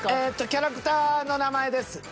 キャラクターの名前です。